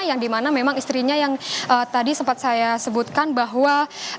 yang dimana memang istrinya yang tadi sempat saya sebutkan bahwa